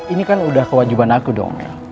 ini kan udah kewajiban aku dong